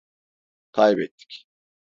Kaybettik!